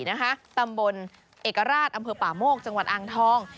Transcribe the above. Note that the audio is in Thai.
ตำบลเอกราชอำเภอป่าโมกจังหวัดอ่างทอง